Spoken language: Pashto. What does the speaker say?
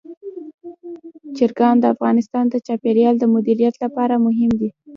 چرګان د افغانستان د چاپیریال د مدیریت لپاره مهم دي.